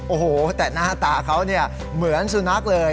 โอ้โหแต่หน้าตาเขาเนี่ยเหมือนสุนัขเลย